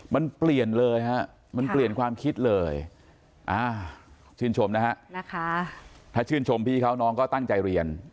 มันเปลี่ยนเลยฮะมันเปลี่ยนความคิดเลยชื่นชมนะฮะถ้าชื่นชมพี่เขาน้องก็ตั้งใจเรียน